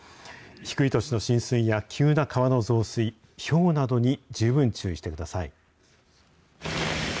低い土地の浸水や急な川の増水、ひょうなどに十分注意してください。